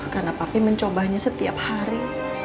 karena papi mencobanya setiap hari